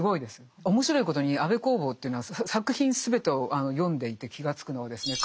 面白いことに安部公房というのは作品全てを読んでいて気がつくのはですね